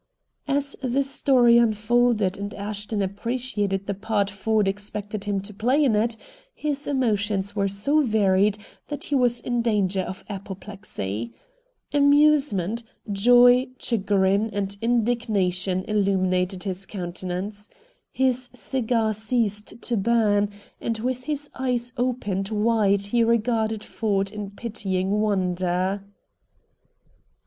As the story unfolded and Ashton appreciated the part Ford expected him to play in it, his emotions were so varied that he was in danger of apoplexy. Amusement, joy, chagrin, and indignation illuminated his countenance. His cigar ceased to burn, and with his eyes opened wide he regarded Ford in pitying wonder.